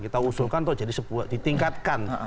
kita usulkan untuk ditingkatkan